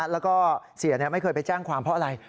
แล้วก็เสียไม่เคยไปแจ้งความเพราะอะไร